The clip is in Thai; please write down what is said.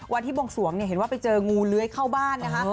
วันที่บงสวงเห็นว่าไปเจองูเล้วยเข้าบ้านนะฮะ